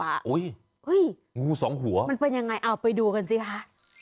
เฮ้ยงูสองหัวมันเป็นยังไงเอาไปดูกันสิคะ